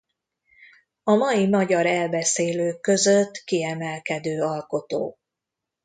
A mai magyar elbeszélők között kiemelkedő alkotó.